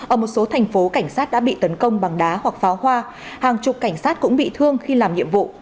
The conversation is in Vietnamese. ở một số thành phố cảnh sát đã bị tấn công bằng đá hoặc pháo hoa hàng chục cảnh sát cũng bị thương khi làm nhiệm vụ